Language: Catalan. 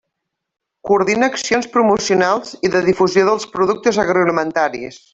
Coordina accions promocionals i de difusió dels productes agroalimentaris.